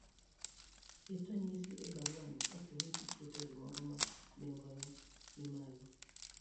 ket ranyisi e baruano kapo ni iketo gimoro ma nengone ni malo,